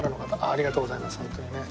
ありがとうございますホントにね。